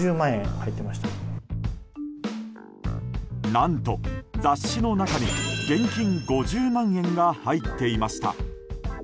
何と、雑誌の中に現金５０万円が入っていました。